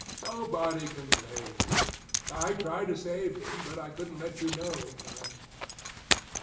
"Nobody can blame you. I tried to save him, but I couldn't let you know in time."